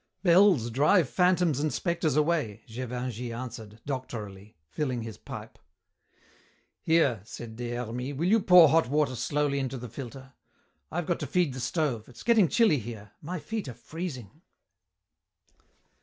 "Bells drive phantoms and spectres away," Gévingey answered, doctorally, filling his pipe. "Here," said Des Hermies, "will you pour hot water slowly into the filter? I've got to feed the stove. It's getting chilly here. My feet are freezing."